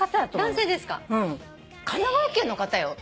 うん神奈川県の方よ。